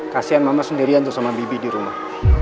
kasian mama sendirian tuh sama bibi di rumah